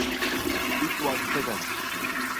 It was the second album by Bolland and Bolland.